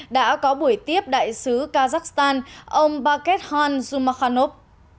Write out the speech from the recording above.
đã có buổi tiếp đại sứ kazakhstan ông bakethan sumakhanov